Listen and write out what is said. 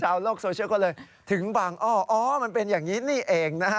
โลกโซเชียลก็เลยถึงบางอ้ออ๋อมันเป็นอย่างนี้นี่เองนะฮะ